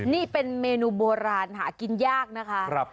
นี่เป็นเมนูโบราณหากินยากนะคะ